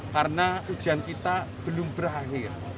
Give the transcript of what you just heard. karena ujian kita belum berakhir